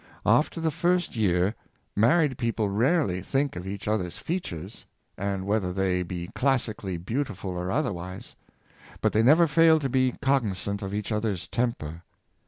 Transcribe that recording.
Af ter the first year, married people rarely think of each other's features, and whether they be classically beau tiful or otherwise. But they never fail to be cognizant of each other's temper.